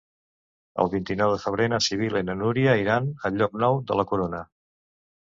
El vint-i-nou de febrer na Sibil·la i na Núria iran a Llocnou de la Corona.